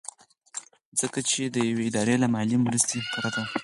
ځکه چې د يوې ادارې له مالي مرستې پرته